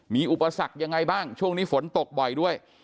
มีอุปสรรคยังไงบ้างช่วงนี้ฝนตกบ่อยด้วย